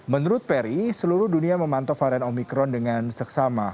menurut peri seluruh dunia memantau varian omikron dengan seksama